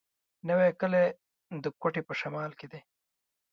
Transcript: نوی کلی د کوټي په شمال کي دی.